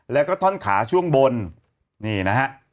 แล้วก็ท่อนขาช่วงบนนี่นะฮะ